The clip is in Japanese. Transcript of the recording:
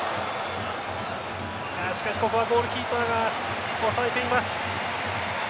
しかしここはゴールキーパーが抑えています。